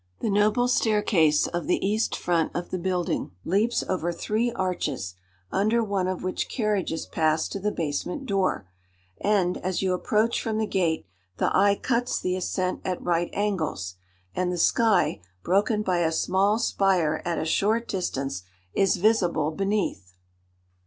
The noble staircase of the east front of the building leaps over three arches; under one of which carriages pass to the basement door; and, as you approach from the gate, the eye cuts the ascent at right angles, and the sky, broken by a small spire at a short distance, is visible beneath.